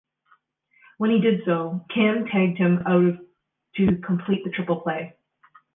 When he did so, Kamm tagged him out to complete the triple play.